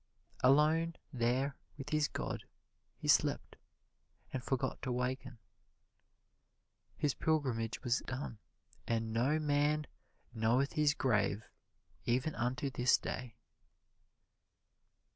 Alone there with his God he slept and forgot to awaken. His pilgrimage was done. "And no man knoweth his grave even unto this day."